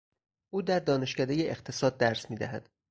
او در دانشکدهٔ اقتصاد درس میدهد.